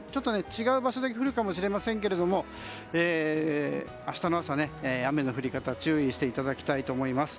違う場所で降るかもしれませんけれども明日の朝、雨の降り方注意していただきたいと思います。